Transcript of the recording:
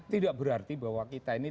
tidak berarti bahwa kita ini